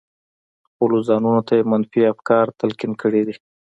خپلو ځانونو ته يې منفي افکار تلقين کړي دي.